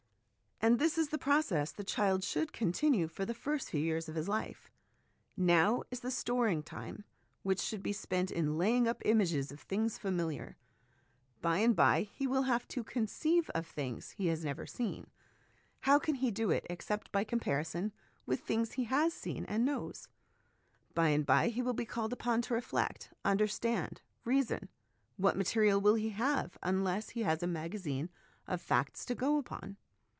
And this is the process the child should continue for the first few years of his life. Now is the storing time which should be spent in laying up images of things familiar. By and by he will have to conceive of things he has never seen : how can he do it except by comparison with things he has seen and knows ? By and by he will be called upon to reflect, under stand, reason ; what material will he have, unless he has a magazine of facts to go upon